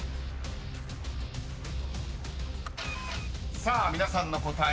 ［さあ皆さんの答え